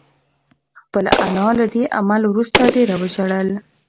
خپله انا له دې عمل وروسته ډېره وژړل.